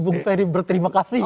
bu ferry berterima kasih